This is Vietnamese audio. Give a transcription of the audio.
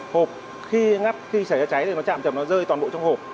hộp khi ngắt khi xảy ra cháy thì nó chạm chầm nó rơi toàn bộ trong hộp